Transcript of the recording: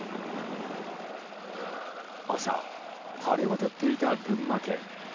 朝、晴れ渡っていた群馬県。